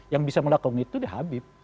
yang bisa melakukan itu di habib